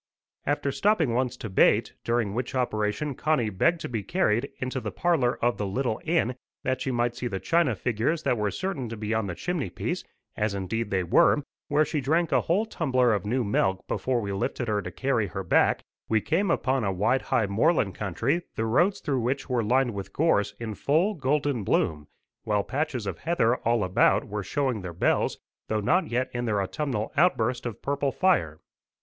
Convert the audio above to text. After stopping once to bait, during which operation Connie begged to be carried into the parlour of the little inn that she might see the china figures that were certain to be on the chimney piece, as indeed they were, where she drank a whole tumbler of new milk before we lifted her to carry her back, we came upon a wide high moorland country the roads through which were lined with gorse in full golden bloom, while patches of heather all about were showing their bells, though not yet in their autumnal outburst of purple fire.